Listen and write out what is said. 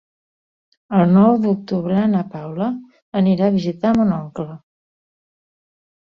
El nou d'octubre na Paula anirà a visitar mon oncle.